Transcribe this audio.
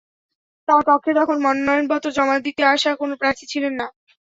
তাঁর কক্ষে তখন মনোনয়নপত্র জমা দিতে আসা কোনো প্রার্থী ছিলেন না।